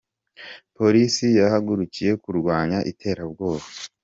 Polisi yahagurukiye kurwanya iterabwoba